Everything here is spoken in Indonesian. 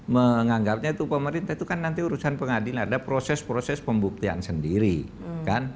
menganggapnya itu pemerintah itu kan nanti urusan pengadilan ada proses proses pembuktian sendiri kan